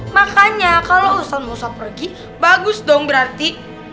makanya kalo ustadz musa pergi bagus dong berarti